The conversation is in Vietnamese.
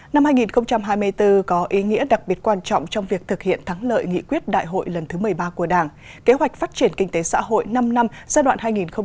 năm hai nghìn hai mươi bốn có ý nghĩa đặc biệt quan trọng trong việc thực hiện thắng lợi nghị quyết đại hội lần thứ một mươi ba của đảng kế hoạch phát triển kinh tế xã hội năm năm giai đoạn hai nghìn hai mươi một hai nghìn ba mươi